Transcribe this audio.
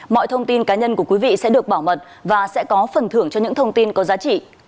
mọi thông tin cá nhân của quý vị sẽ được bảo mật và sẽ có phần thưởng cho những thông tin có giá trị